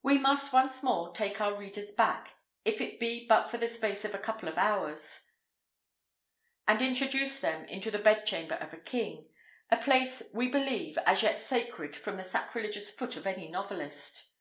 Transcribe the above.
We must once more take our readers back, if it be but for the space of a couple of hours, and introduce them into the bedchamber of a king: a place, we believe, as yet sacred from the sacrilegious foot of any novelist.